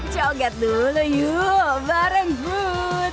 coget dulu yuk bareng groot